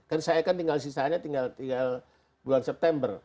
kan saya kan tinggal sisanya tinggal bulan september